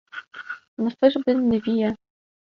Nifir bi nivî ye